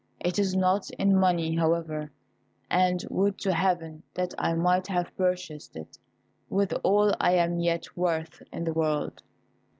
It is not in money, however; and would to Heaven that I might have purchased it with all I am yet worth in the world."